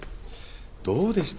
どうでした？